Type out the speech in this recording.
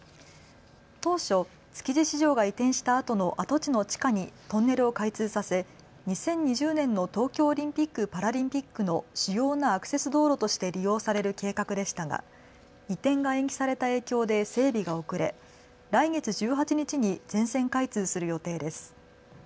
当初、築地市場が移転したあとの跡地の地下にトンネルを開通させ２０２０年の東京オリンピック・パラリンピックの主要なアクセス道路として利用される計画でしたが移転が延期された影響で整備が遅れ来月１８日に全線開通する予定です。